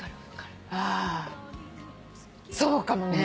あそうかもね。